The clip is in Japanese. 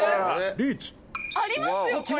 「ありますよこれ！